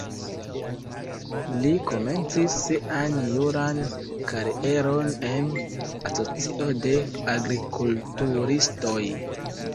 Li komencis sian juran karieron en asocio de agrikulturistoj.